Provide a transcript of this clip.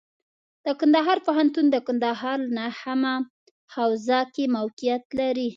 د کندهار پوهنتون د کندهار ښار نهمه حوزه کې موقعیت لري.